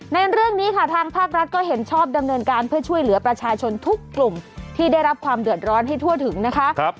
ในเรื่องนี้ค่ะทางภาครัฐก็เห็นชอบดำเนินการเพื่อช่วยเหลือประชาชนทุกกลุ่มที่ได้รับความเดือดร้อนให้ทั่วถึงนะคะ